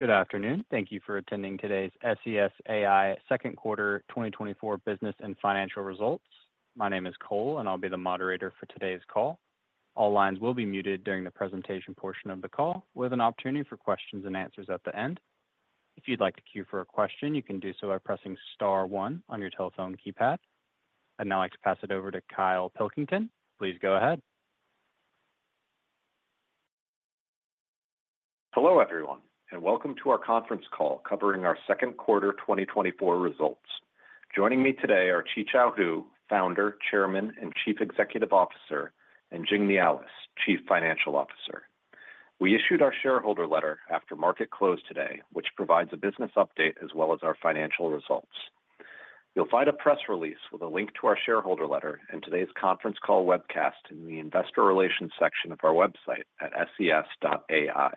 Good afternoon. Thank you for attending today's SES AI Second Quarter 2024 Business and Financial Results. My name is Cole, and I'll be the moderator for today's call. All lines will be muted during the presentation portion of the call, with an opportunity for questions and answers at the end. If you'd like to queue for a question, you can do so by pressing Star 1 on your telephone keypad. I'd now like to pass it over to Kyle Pilkington. Please go ahead. Hello, everyone, and welcome to our conference call covering our Second Quarter 2024 results. Joining me today are Qichao Hu, Founder, Chairman, and Chief Executive Officer, and Jing Nealis, Chief Financial Officer. We issued our shareholder letter after market close today, which provides a business update as well as our financial results. You'll find a press release with a link to our shareholder letter and today's conference call webcast in the Investor Relations section of our website at SES.ai.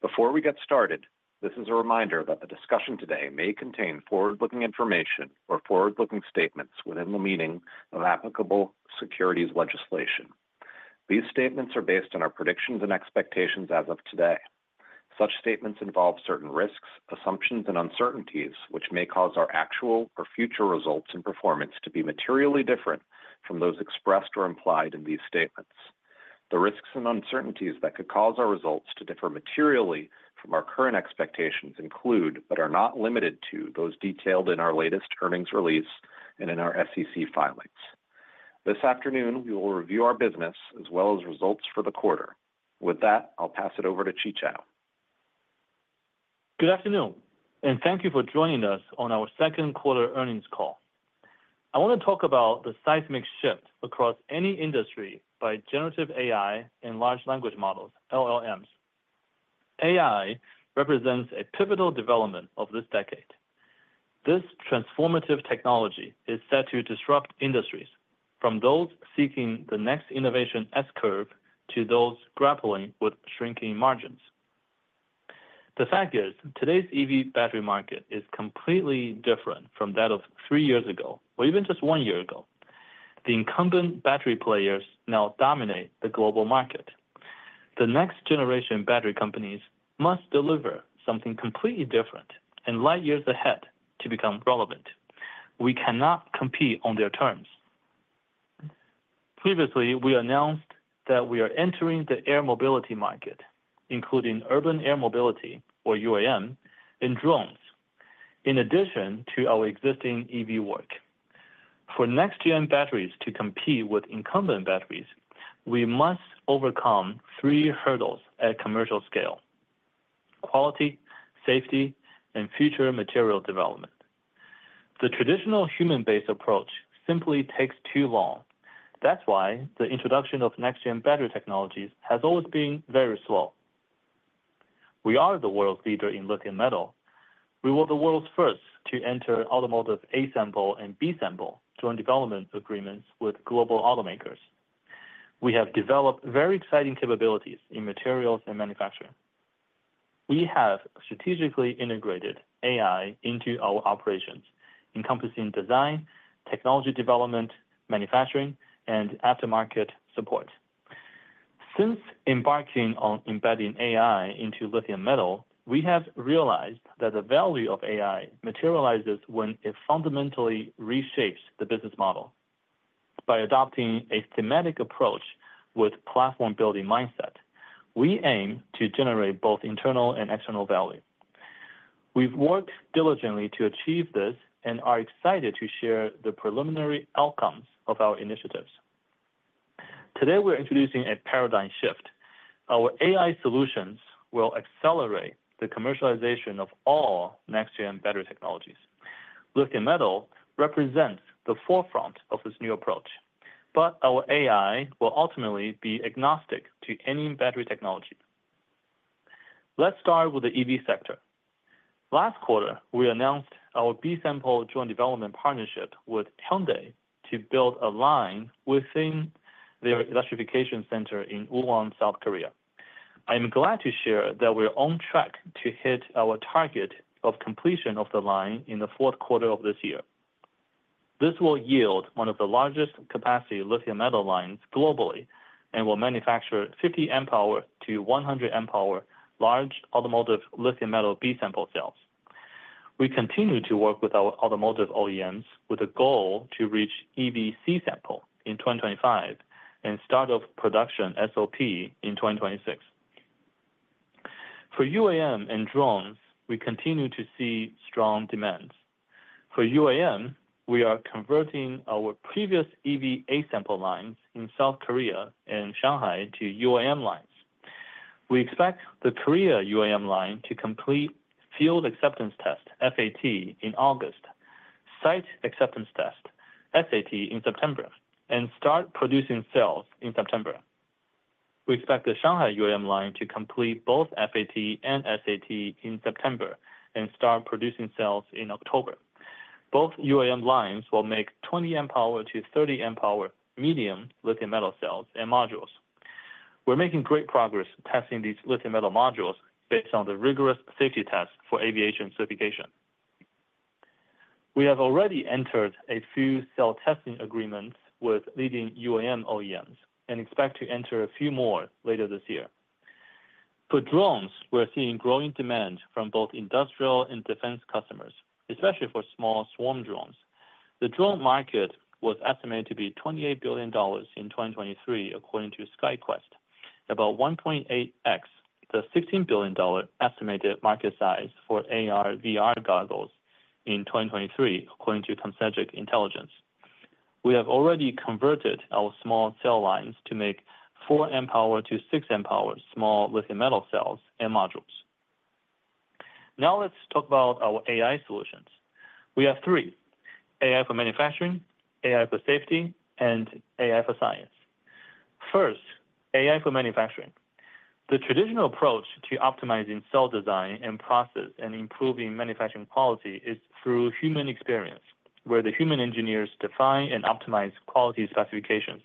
Before we get started, this is a reminder that the discussion today may contain forward-looking information or forward-looking statements within the meaning of applicable securities legislation. These statements are based on our predictions and expectations as of today. Such statements involve certain risks, assumptions, and uncertainties, which may cause our actual or future results and performance to be materially different from those expressed or implied in these statements. The risks and uncertainties that could cause our results to differ materially from our current expectations include, but are not limited to, those detailed in our latest earnings release and in our SEC filings. This afternoon, we will review our business as well as results for the quarter. With that, I'll pass it over to Qichao. Good afternoon, and thank you for joining us on our Second Quarter earnings call. I want to talk about the seismic shift across any industry by generative AI and large language models, LLMs. AI represents a pivotal development of this decade. This transformative technology is set to disrupt industries, from those seeking the next innovation S-curve to those grappling with shrinking margins. The fact is, today's EV battery market is completely different from that of three years ago, or even just one year ago. The incumbent battery players now dominate the global market. The next generation battery companies must deliver something completely different and light years ahead to become relevant. We cannot compete on their terms. Previously, we announced that we are entering the air mobility market, including urban air mobility, or UAM, and drones, in addition to our existing EV work. For next-gen batteries to compete with incumbent batteries, we must overcome three hurdles at commercial scale: quality, safety, and future material development. The traditional human-based approach simply takes too long. That's why the introduction of next-gen battery technologies has always been very slow. We are the world's leader in lithium metal. We were the world's first to enter automotive A-sample and B-sample joint development agreements with global automakers. We have developed very exciting capabilities in materials and manufacturing. We have strategically integrated AI into our operations, encompassing design, technology development, manufacturing, and aftermarket support. Since embarking on embedding AI into lithium metal, we have realized that the value of AI materializes when it fundamentally reshapes the business model. By adopting a thematic approach with a platform-building mindset, we aim to generate both internal and external value. We've worked diligently to achieve this and are excited to share the preliminary outcomes of our initiatives. Today, we're introducing a paradigm shift. Our AI solutions will accelerate the commercialization of all next-gen battery technologies. Lithium metal represents the forefront of this new approach, but our AI will ultimately be agnostic to any battery technology. Let's start with the EV sector. Last quarter, we announced our B-sample joint development partnership with Hyundai to build a line within their electrification center in Wuhan, South Korea. I am glad to share that we're on track to hit our target of completion of the line in the fourth quarter of this year. This will yield one of the largest capacity lithium metal lines globally and will manufacture 50 Ah-100 Ah large automotive lithium metal B-sample cells. We continue to work with our automotive OEMs with a goal to reach EV C-sample in 2025 and start of production SOP in 2026. For UAM and drones, we continue to see strong demands. For UAM, we are converting our previous EV A-sample lines in South Korea and Shanghai to UAM lines. We expect the Korea UAM line to complete Factory Acceptance Test (FAT) in August, Site Acceptance Test (SAT) in September, and start producing cells in September. We expect the Shanghai UAM line to complete both FAT and SAT in September and start producing cells in October. Both UAM lines will make 20 amp-hour to 30 amp-hour medium lithium metal cells and modules. We're making great progress testing these lithium metal modules based on the rigorous safety tests for aviation certification. We have already entered a few cell testing agreements with leading UAM OEMs and expect to enter a few more later this year. For drones, we're seeing growing demand from both industrial and defense customers, especially for small swarm drones. The drone market was estimated to be $28 billion in 2023, according to SkyQuest, about 1.8x the $16 billion estimated market size for AR/VR goggles in 2023, according toCounterpoint Research. We have already converted our small cell lines to make 4 amp-hour to 6 amp-hour small lithium metal cells and modules. Now let's talk about our AI solutions. We have three: AI for manufacturing, AI for safety, and AI for science. First, AI for manufacturing. The traditional approach to optimizing cell design and process and improving manufacturing quality is through human experience, where the human engineers define and optimize quality specifications.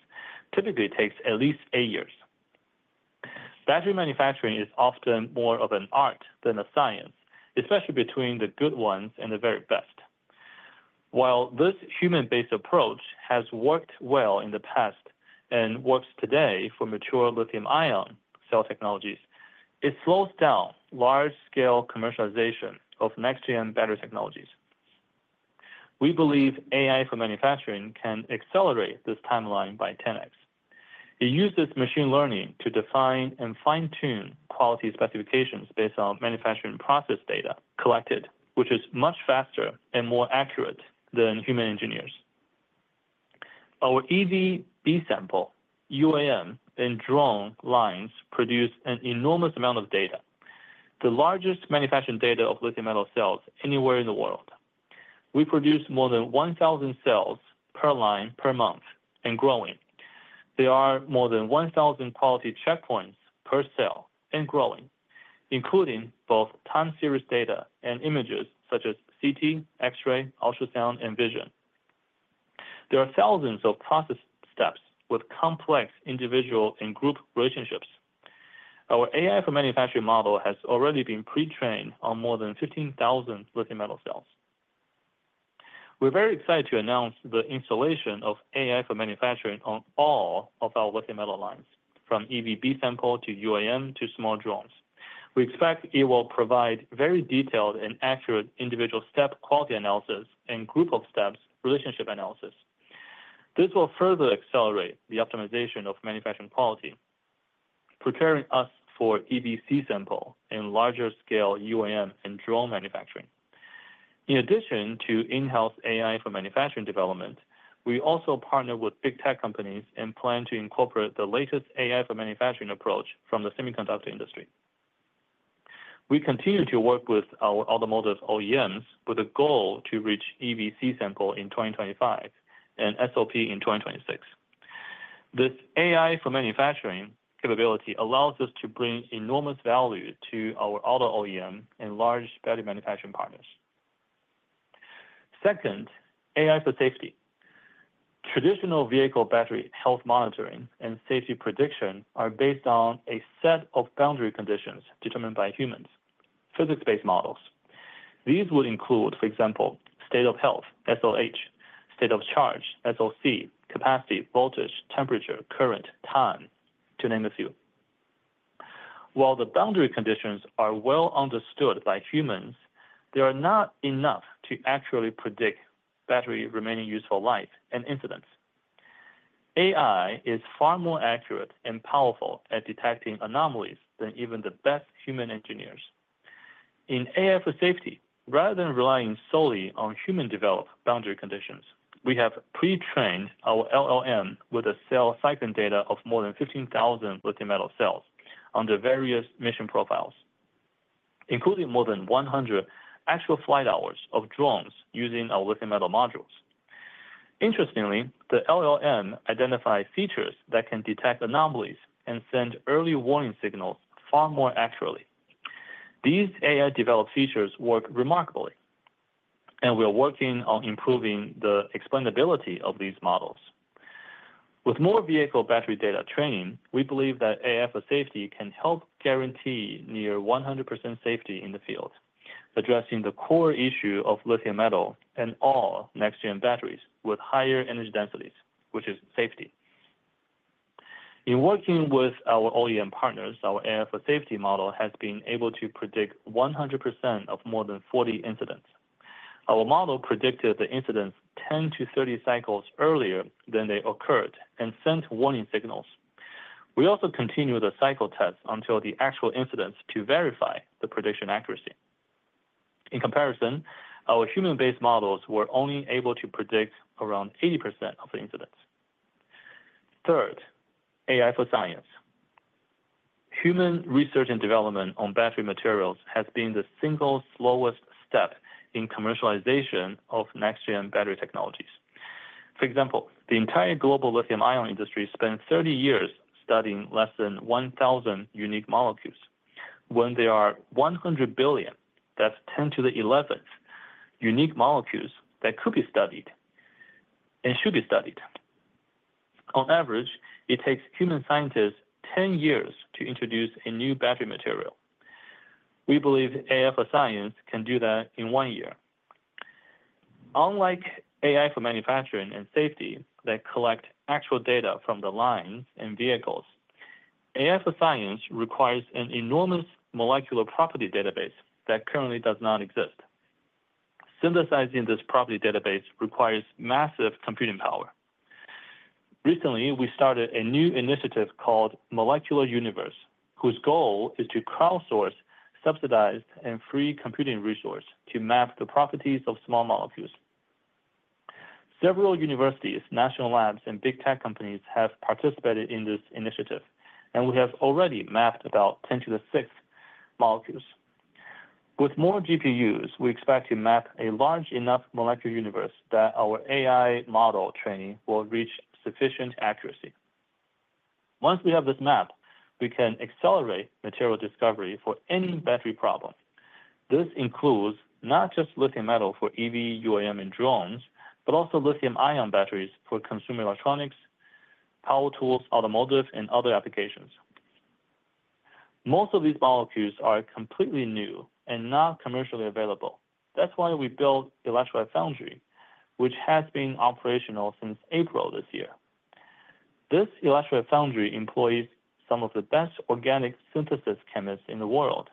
Typically, it takes at least eight years. Battery manufacturing is often more of an art than a science, especially between the good ones and the very best. While this human-based approach has worked well in the past and works today for mature lithium-ion cell technologies, it slows down large-scale commercialization of next-gen battery technologies. We believe AI for manufacturing can accelerate this timeline by 10x. It uses machine learning to define and fine-tune quality specifications based on manufacturing process data collected, which is much faster and more accurate than human engineers. Our EV B-sample, UAM, and drone lines produce an enormous amount of data, the largest manufacturing data of lithium metal cells anywhere in the world. We produce more than 1,000 cells per line per month and growing. There are more than 1,000 quality checkpoints per cell and growing, including both time series data and images such as CT, X-ray, ultrasound, and vision. There are thousands of process steps with complex individual and group relationships. Our AI for manufacturing model has already been pre-trained on more than 15,000 lithium metal cells. We're very excited to announce the installation of AI for manufacturing on all of our lithium metal lines, from EV B-sample to UAM to small drones. We expect it will provide very detailed and accurate individual step quality analysis and group of steps relationship analysis. This will further accelerate the optimization of manufacturing quality, preparing us for EV C-sample and larger scale UAM and drone manufacturing. In addition to in-house AI for manufacturing development, we also partner with big tech companies and plan to incorporate the latest AI for manufacturing approach from the semiconductor industry. We continue to work with our automotive OEMs with a goal to reach EV C-sample in 2025 and SOP in 2026. This AI for manufacturing capability allows us to bring enormous value to our auto OEM and large battery manufacturing partners. Second, AI for safety. Traditional vehicle battery health monitoring and safety prediction are based on a set of boundary conditions determined by humans, physics-based models. These would include, for example, state of health, SOH, state of charge, SOC, capacity, voltage, temperature, current, time, to name a few. While the boundary conditions are well understood by humans, they are not enough to actually predict battery remaining useful life and incidents. AI is far more accurate and powerful at detecting anomalies than even the best human engineers. In AI for safety, rather than relying solely on human-developed boundary conditions, we have pre-trained our LLM with a cell cycling data of more than 15,000 lithium metal cells under various mission profiles, including more than 100 actual flight hours of drones using our lithium metal modules. Interestingly, the LLM identifies features that can detect anomalies and send early warning signals far more accurately. These AI-developed features work remarkably, and we are working on improving the explainability of these models. With more vehicle battery data training, we believe that AI for safety can help guarantee near 100% safety in the field, addressing the core issue of lithium metal and all next-gen batteries with higher energy densities, which is safety. In working with our OEM partners, our AI for safety model has been able to predict 100% of more than 40 incidents. Our model predicted the incidents 10-30 cycles earlier than they occurred and sent warning signals. We also continue the cycle tests until the actual incidents to verify the prediction accuracy. In comparison, our human-based models were only able to predict around 80% of the incidents. Third, AI for science. Human research and development on battery materials has been the single slowest step in commercialization of next-gen battery technologies. For example, the entire global lithium-ion industry spent 30 years studying less than 1,000 unique molecules when there are 100 billion, that's 10 to the 11th, unique molecules that could be studied and should be studied. On average, it takes human scientists 10 years to introduce a new battery material. We believe AI for science can do that in one year. Unlike AI for manufacturing and safety that collect actual data from the lines and vehicles, AI for science requires an enormous molecular property database that currently does not exist. Synthesizing this property database requires massive computing power. Recently, we started a new initiative called Molecular Universe, whose goal is to crowdsource subsidized and free computing resources to map the properties of small molecules. Several universities, national labs, and big tech companies have participated in this initiative, and we have already mapped about 10^6 molecules. With more GPUs, we expect to map a large enough molecular universe that our AI model training will reach sufficient accuracy. Once we have this map, we can accelerate material discovery for any battery problem. This includes not just lithium metal for EV, UAM, and drones, but also lithium-ion batteries for consumer electronics, power tools, automotive, and other applications. Most of these molecules are completely new and not commercially available. That's why we built Electrolyte Foundry, which has been operational since April this year. This Electrolyte Foundry employs some of the best organic synthesis chemists in the world.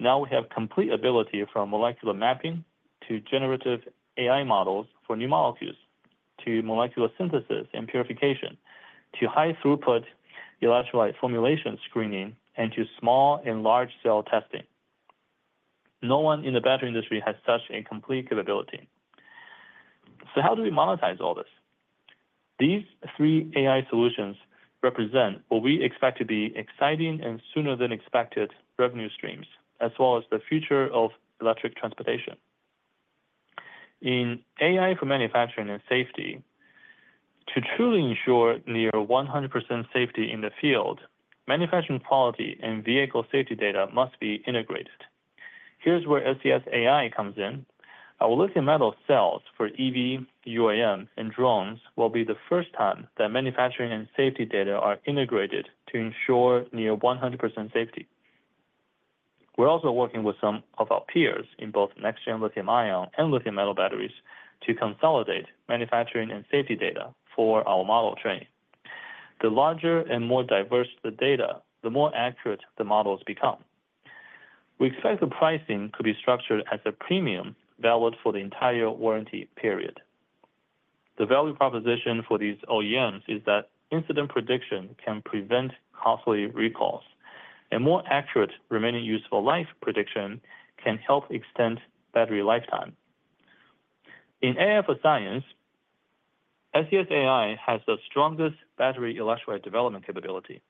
Now we have complete ability from molecular mapping to generative AI models for new molecules to molecular synthesis and purification to high-throughput electrolyte formulation screening and to small and large cell testing. No one in the battery industry has such a complete capability. So how do we monetize all this? These three AI solutions represent what we expect to be exciting and sooner-than-expected revenue streams, as well as the future of electric transportation. In AI for manufacturing and safety, to truly ensure near 100% safety in the field, manufacturing quality and vehicle safety data must be integrated. Here's where SES AI comes in. Our lithium metal cells for EV, UAM, and drones will be the first time that manufacturing and safety data are integrated to ensure near 100% safety. We're also working with some of our peers in both next-gen lithium-ion and lithium metal batteries to consolidate manufacturing and safety data for our model training. The larger and more diverse the data, the more accurate the models become. We expect the pricing to be structured as a premium valid for the entire warranty period. The value proposition for these OEMs is that incident prediction can prevent costly recalls, and more accurate remaining useful life prediction can help extend battery lifetime. In AI for science, SES AI has the strongest battery electrolyte development capability.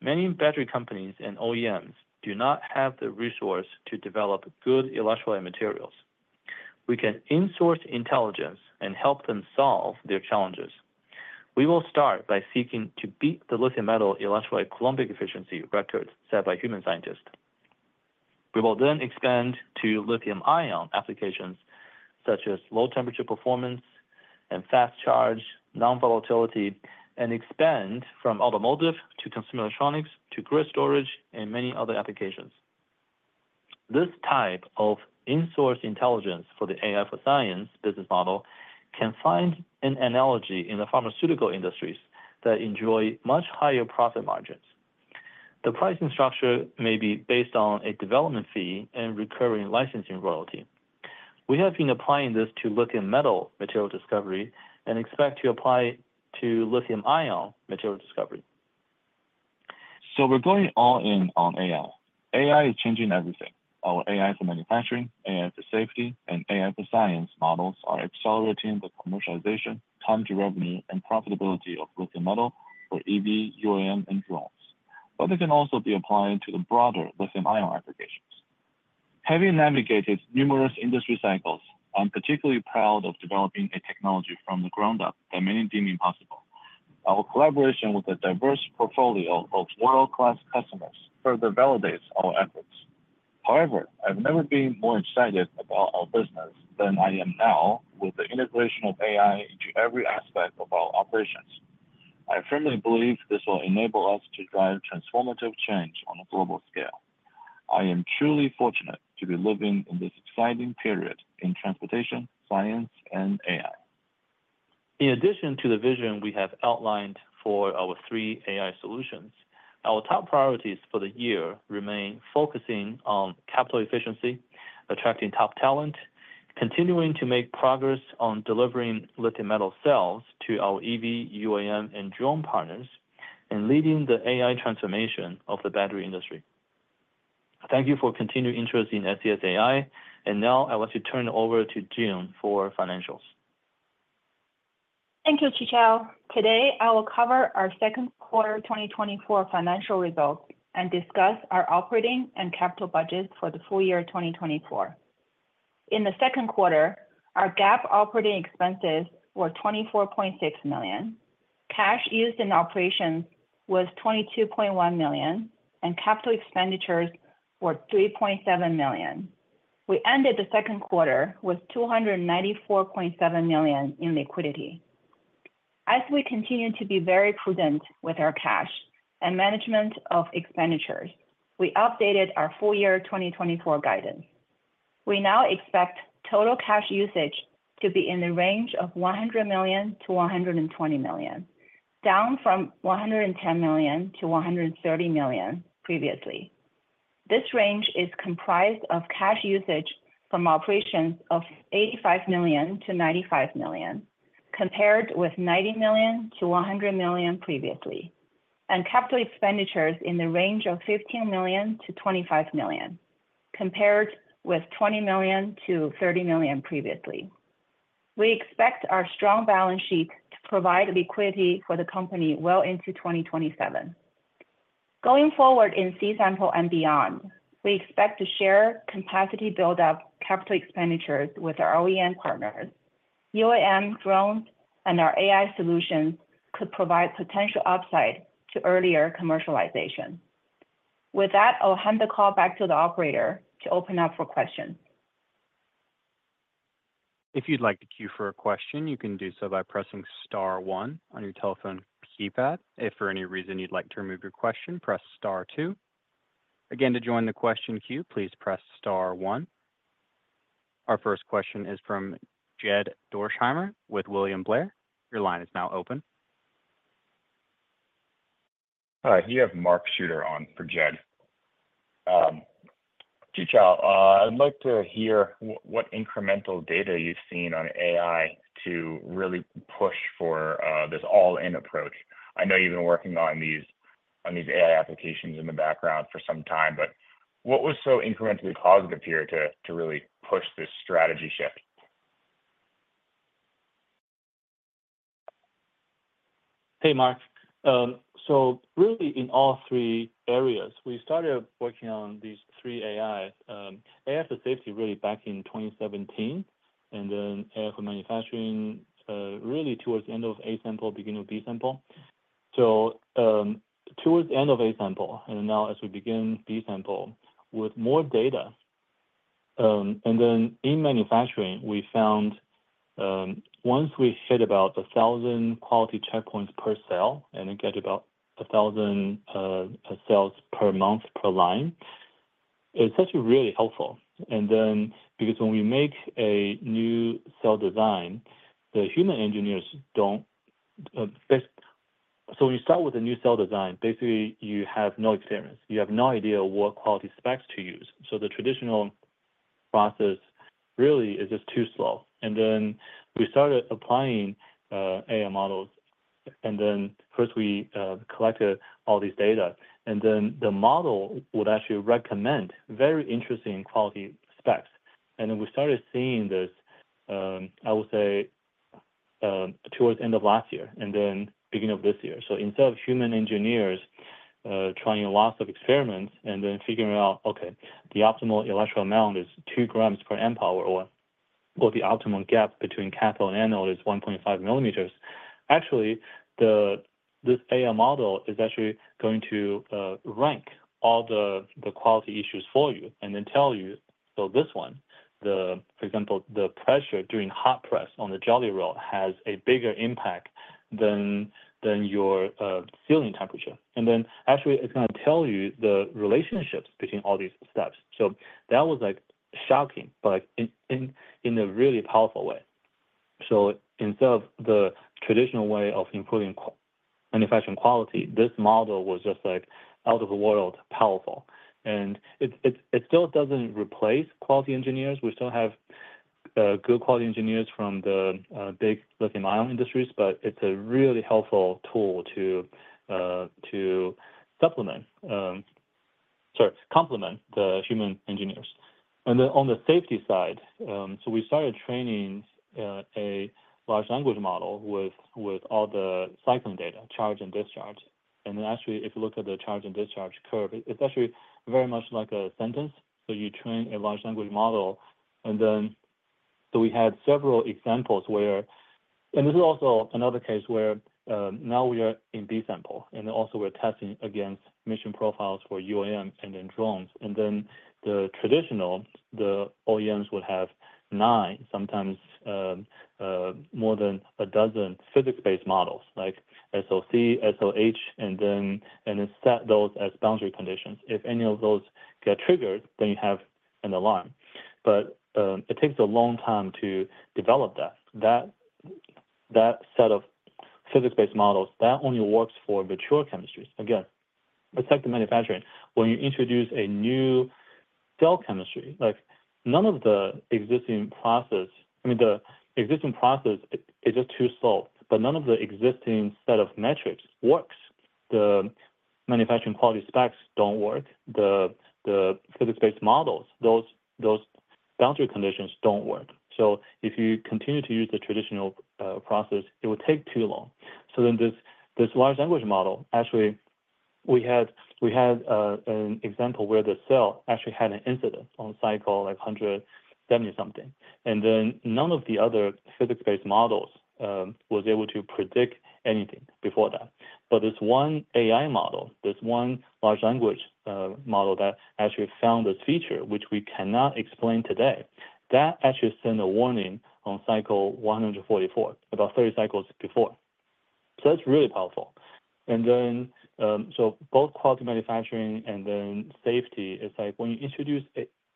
Many battery companies and OEMs do not have the resource to develop good electrolyte materials. We can insource intelligence and help them solve their challenges. We will start by seeking to beat the lithium metal electrolyte clumping efficiency records set by human scientists. We will then expand to lithium-ion applications such as low-temperature performance and fast charge, non-volatility, and expand from automotive to consumer electronics to grid storage and many other applications. This type of insource intelligence for the AI for science business model can find an analogy in the pharmaceutical industries that enjoy much higher profit margins. The pricing structure may be based on a development fee and recurring licensing royalty. We have been applying this to lithium metal material discovery and expect to apply to lithium-ion material discovery. So we're going all in on AI. AI is changing everything. Our AI for manufacturing, AI for safety, and AI for science models are accelerating the commercialization, time to revenue, and profitability of lithium metal for EV, UAM, and drones. But it can also be applied to the broader lithium-ion applications. Having navigated numerous industry cycles, I'm particularly proud of developing a technology from the ground up that many deem impossible. Our collaboration with a diverse portfolio of world-class customers further validates our efforts. However, I've never been more excited about our business than I am now with the integration of AI into every aspect of our operations. I firmly believe this will enable us to drive transformative change on a global scale. I am truly fortunate to be living in this exciting period in transportation, science, and AI. In addition to the vision we have outlined for our three AI solutions, our top priorities for the year remain focusing on capital efficiency, attracting top talent, continuing to make progress on delivering lithium metal cells to our EV, UAM, and drone partners, and leading the AI transformation of the battery industry. Thank you for continued interest in SES AI. And now I want to turn it over to Jing for financials. Thank you, Qichao. Today, I will cover our second quarter 2024 financial results and discuss our operating and capital budgets for the full year 2024. In the second quarter, our GAAP operating expenses were $24.6 million. Cash used in operations was $22.1 million, and capital expenditures were $3.7 million. We ended the second quarter with $294.7 million in liquidity. As we continue to be very prudent with our cash and management of expenditures, we updated our full year 2024 guidance. We now expect total cash usage to be in the range of $100 million-$120 million, down from $110 million-$130 million previously. This range is comprised of cash usage from operations of $85 million-$95 million, compared with $90 million-$100 million previously, and capital expenditures in the range of $15 million-$25 million, compared with $20 million-$30 million previously. We expect our strong balance sheet to provide liquidity for the company well into 2027. Going forward in C-sample and beyond, we expect to share capacity build-up capital expenditures with our OEM partners. UAM, drones, and our AI solutions could provide potential upside to earlier commercialization. With that, I'll hand the call back to the operator to open up for questions. If you'd like to queue for a question, you can do so by pressing star one on your telephone keypad. If for any reason you'd like to remove your question, press star two. Again, to join the question queue, please press star one. Our first question is from Jed Dorsheimer with William Blair. Your line is now open. Hi, you have Mark Shooter on for Jed. Qichao, I'd like to hear what incremental data you've seen on AI to really push for this all-in approach. I know you've been working on these AI applications in the background for some time, but what was so incrementally positive here to really push this strategy shift? Hey, Mark. So really, in all three areas, we started working on these three AIs. AI for safety really back in 2017, and then AI for manufacturing really towards the end of A-sample, beginning of B-sample. So, towards the end of A-sample, and now as we begin B-sample with more data. Then in manufacturing, we found once we hit about 1,000 quality checkpoints per cell and then get about 1,000 cells per month per line, it's actually really helpful. Then, because when we make a new cell design, the human engineers don't basically so when you start with a new cell design, basically you have no experience. You have no idea what quality specs to use. So the traditional process really is just too slow. Then we started applying AI models. Then, first we collected all this data, and then the model would actually recommend very interesting quality specs. Then we started seeing this, I would say, towards the end of last year and then beginning of this year. So instead of human engineers trying lots of experiments and then figuring out, okay, the optimal electrical amount is 2 grams per amp-hour, or the optimal gap between cathode and anode is 1.5 millimeters, actually this AI model is actually going to rank all the quality issues for you and then tell you, so this one, for example, the pressure during hot press on the jelly roll has a bigger impact than your sealing temperature. And then actually it's going to tell you the relationships between all these steps. So that was shocking, but in a really powerful way. So instead of the traditional way of improving manufacturing quality, this model was just out of the world powerful. And it still doesn't replace quality engineers. We still have good quality engineers from the big lithium-ion industries, but it's a really helpful tool to supplement, sorry, complement the human engineers. On the safety side, we started training a large language model with all the cycling data, charge and discharge. Actually, if you look at the charge and discharge curve, it's actually very much like a sentence. So you train a large language model. Then we had several examples where, and this is also another case where now we are in B-sample, and also we're testing against mission profiles for UAM and then drones. The traditional OEMs would have nine, sometimes more than a dozen physics-based models like SOC, SOH, and then set those as boundary conditions. If any of those get triggered, then you have an alarm. But it takes a long time to develop that. That set of physics-based models only works for mature chemistries. Again, it's like the manufacturing. When you introduce a new cell chemistry, none of the existing process, I mean, the existing process is just too slow, but none of the existing set of metrics works. The manufacturing quality specs don't work. The physics-based models, those boundary conditions don't work. So if you continue to use the traditional process, it would take too long. So then this large language model, actually, we had an example where the cell actually had an incident on cycle like 170-something. And then none of the other physics-based models was able to predict anything before that. But this one AI model, this one large language model that actually found this feature, which we cannot explain today, that actually sent a warning on cycle 144, about 30 cycles before. So that's really powerful. And then so both quality manufacturing and then safety, it's like when you introduce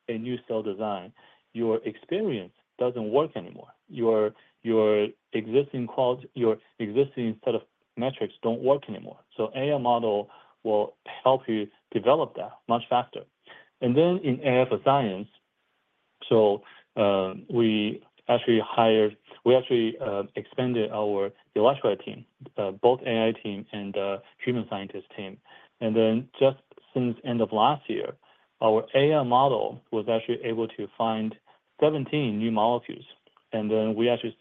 a new cell design, your experience doesn't work anymore. Your existing set of metrics don't work anymore. So AI model will help you develop that much faster. And then in AI for science, so we actually hired, we actually expanded our electrolyte team, both AI team and human scientist team. And then just since the end of last year, our AI model was actually able to find 17 new molecules. And then we actually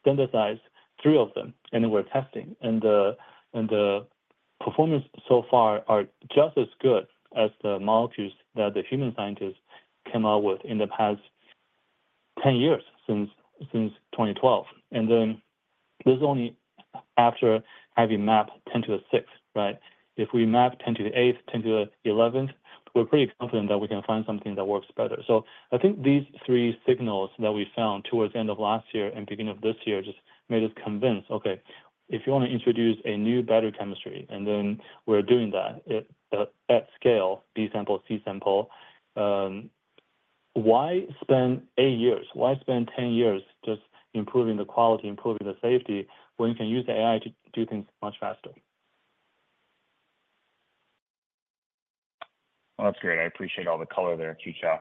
standardized three of them, and then we're testing. And the performance so far are just as good as the molecules that the human scientists came up with in the past 10 years since 2012. And then this is only after having mapped 10^6, right? If we map 10 to the 8th, 10 to the 11th, we're pretty confident that we can find something that works better. So I think these 3 signals that we found towards the end of last year and beginning of this year just made us convinced, okay, if you want to introduce a new battery chemistry, and then we're doing that at scale, B-sample, C-sample, why spend 8 years? Why spend 10 years just improving the quality, improving the safety when you can use AI to do things much faster? Well, that's great. I appreciate all the color there, Qichao.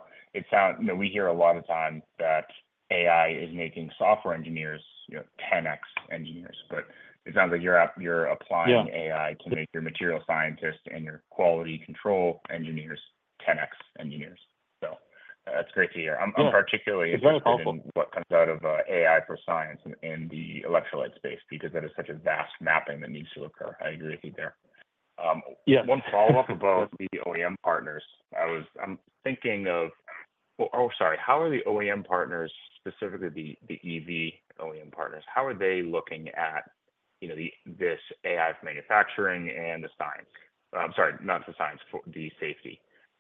We hear a lot of times that AI is making software engineers 10x engineers, but it sounds like you're applying AI to make your material scientists and your quality control engineers 10x engineers. So that's great to hear. I'm particularly interested in what comes out of AI for science in the electrolyte space because that is such a vast mapping that needs to occur. I agree with you there. One follow-up about the OEM partners. I'm thinking of, oh, sorry, how are the OEM partners, specifically the EV OEM partners, how are they looking at this AI for manufacturing and the science? I'm sorry, not the science, the safety.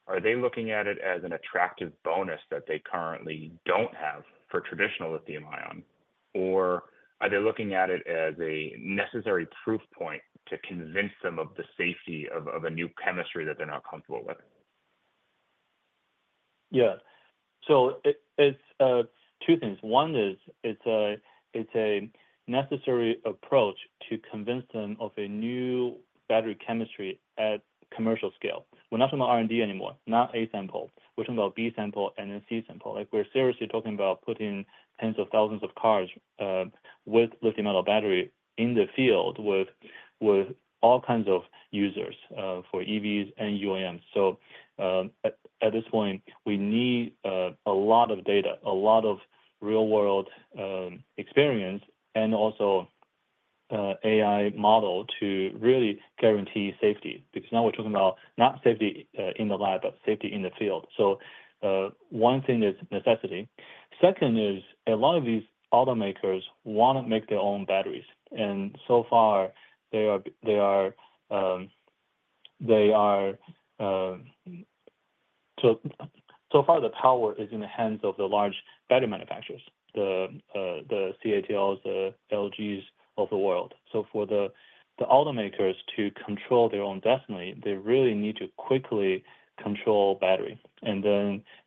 Are they looking at it as an attractive bonus that they currently don't have for traditional lithium-ion, or are they looking at it as a necessary proof point to convince them of the safety of a new chemistry that they're not comfortable with? Yeah. So it's two things. One is it's a necessary approach to convince them of a new battery chemistry at commercial scale. We're not talking about R&D anymore, not A-sample. We're talking about B-sample and then C-sample. We're seriously talking about putting tens of thousands of cars with lithium-ion battery in the field with all kinds of users for EVs and UAMs. So at this point, we need a lot of data, a lot of real-world experience, and also an AI model to really guarantee safety because now we're talking about not safety in the lab, but safety in the field. So one thing is necessity. Second is a lot of these automakers want to make their own batteries. And so far, they are so far the power is in the hands of the large battery manufacturers, the CATLs, the LGs of the world. So for the automakers to control their own destiny, they really need to quickly control battery.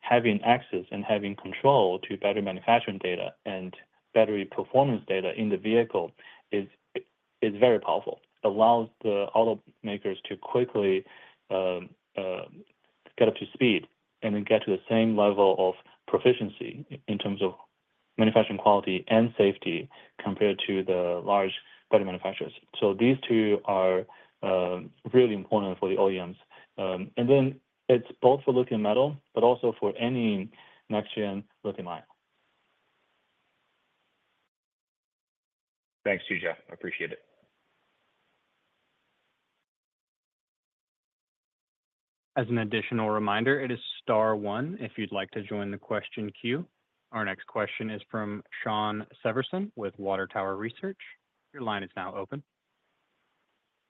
Having access and having control to battery manufacturing data and battery performance data in the vehicle is very powerful. It allows the automakers to quickly get up to speed and then get to the same level of proficiency in terms of manufacturing quality and safety compared to the large battery manufacturers. So these two are really important for the OEMs. And then it's both for lithium metal, but also for any next-gen lithium-ion. Thanks, Qichao. I appreciate it. As an additional reminder, it is star one if you'd like to join the question queue. Our next question is from Shawn Severson with Water Tower Research. Your line is now open.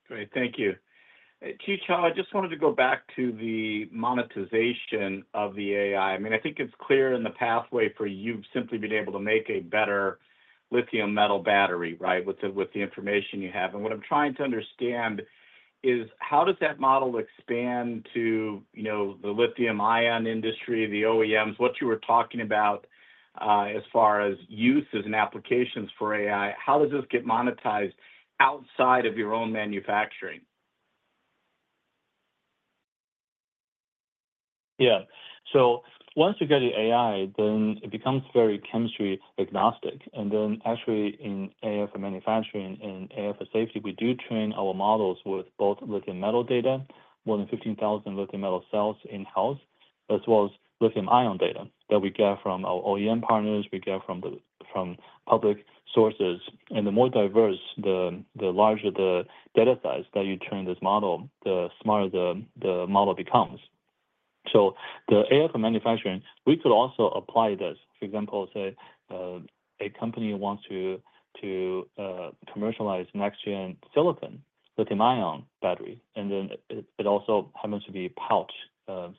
Great. Thank you. Qichao, I just wanted to go back to the monetization of the AI. I mean, I think it's clear in the pathway for you've simply been able to make a better lithium metal battery, right, with the information you have. And what I'm trying to understand is how does that model expand to the lithium-ion industry, the OEMs, what you were talking about as far as use as an application for AI? How does this get monetized outside of your own manufacturing? Yeah. So once you get the AI, then it becomes very chemistry agnostic. And then actually in AI for manufacturing and AI for safety, we do train our models with both lithium metal data, more than 15,000 lithium metal cells in-house, as well as lithium-ion data that we get from our OEM partners, we get from public sources. And the more diverse, the larger the data size that you train this model, the smarter the model becomes. So the AI for manufacturing, we could also apply this. For example, say a company wants to commercialize next-gen silicon lithium-ion battery, and then it also happens to be pouch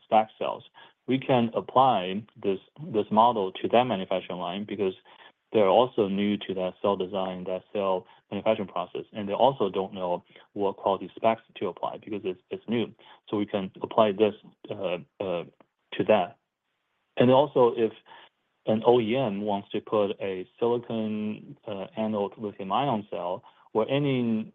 stack cells. We can apply this model to that manufacturing line because they're also new to that cell design, that cell manufacturing process, and they also don't know what quality specs to apply because it's new. So we can apply this to that. And also if an OEM wants to put a silicon anode lithium-ion cell or any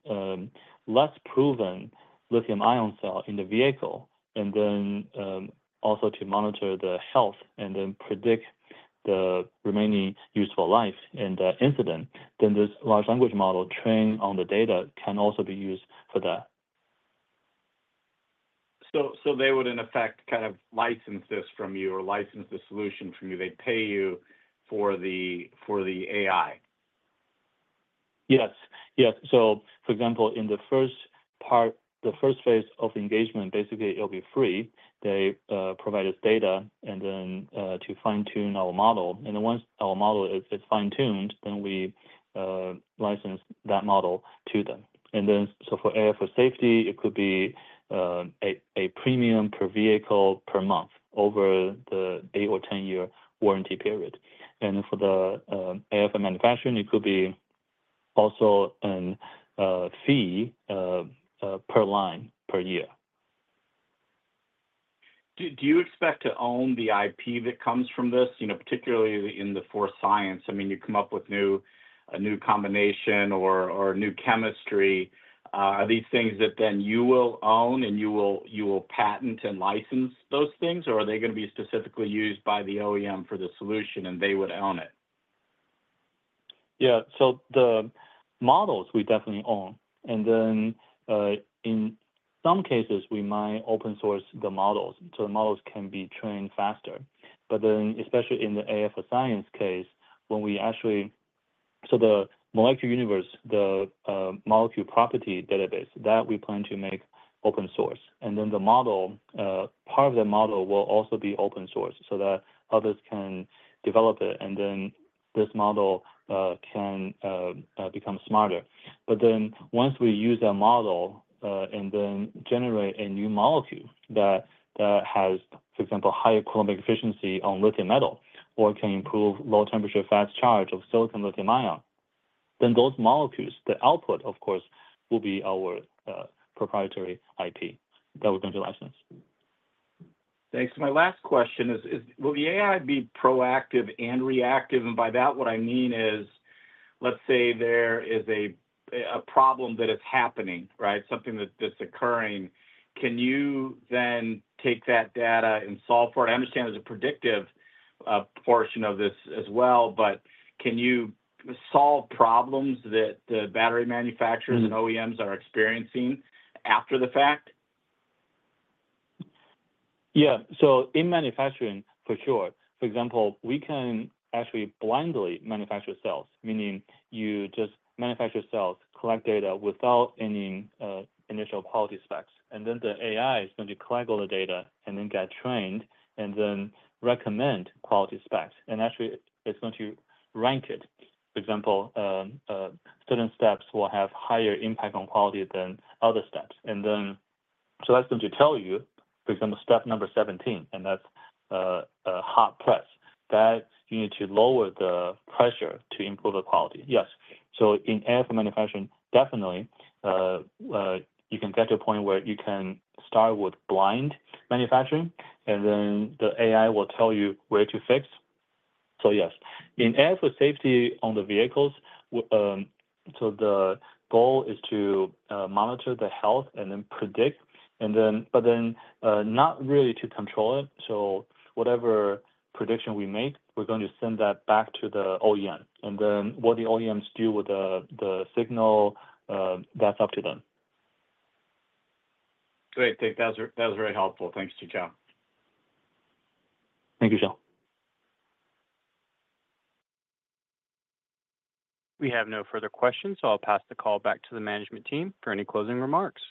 less proven lithium-ion cell in the vehicle, and then also to monitor the health and then predict the remaining useful life and incident, then this large language model trained on the data can also be used for that. So they would, in effect, kind of license this from you or license the solution from you. They'd pay you for the AI. Yes. Yes. So for example, in the first phase of engagement, basically it'll be free. They provide us data and then to fine-tune our model. And then once our model is fine-tuned, then we license that model to them. And then so for AI for safety, it could be a premium per vehicle per month over the 8- or 10-year warranty period. And for the AI for manufacturing, it could be also a fee per line per year. Do you expect to own the IP that comes from this, particularly in the AI for science? I mean, you come up with a new combination or new chemistry. Are these things that then you will own and you will patent and license those things, or are they going to be specifically used by the OEM for the solution and they would own it? Yeah. So the models we definitely own. And then in some cases, we might open source the models. So the models can be trained faster. But then especially in the AI for science case, when we actually so the Molecular Universe, the molecule property database, that we plan to make open source. And then the model, part of the model will also be open source so that others can develop it. And then this model can become smarter. But then once we use that model and then generate a new molecule that has, for example, higher quantum efficiency on lithium metal or can improve low temperature fast charge of silicon lithium ion, then those molecules, the output, of course, will be our proprietary IP that we're going to license. Thanks. My last question is, will the AI be proactive and reactive? And by that, what I mean is, let's say there is a problem that is happening, right? Something that's occurring. Can you then take that data and solve for it? I understand there's a predictive portion of this as well, but can you solve problems that the battery manufacturers and OEMs are experiencing after the fact? Yeah. So in manufacturing, for sure. For example, we can actually blindly manufacture cells, meaning you just manufacture cells, collect data without any initial quality specs. And then the AI is going to collect all the data and then get trained and then recommend quality specs. And actually, it's going to rank it. For example, certain steps will have higher impact on quality than other steps. And then so that's going to tell you, for example, step number 17, and that's hot press. That you need to lower the pressure to improve the quality. Yes. So in AI for manufacturing, definitely, you can get to a point where you can start with blind manufacturing, and then the AI will tell you where to fix. So yes. In AI for safety on the vehicles, so the goal is to monitor the health and then predict, but then not really to control it. So whatever prediction we make, we're going to send that back to the OEM. And then what the OEMs do with the signal, that's up to them. Great. Thanks. That was very helpful. Thanks, Qichao. Thank you, Shawn. We have no further questions, so I'll pass the call back to the management team for any closing remarks.